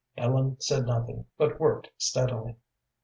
Ellen said nothing, but worked steadily.